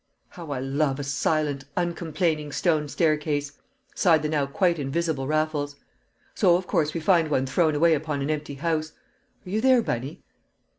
"How I love a silent, uncomplaining, stone staircase!" sighed the now quite invisible Raffles. "So of course we find one thrown away upon an empty house. Are you there, Bunny?"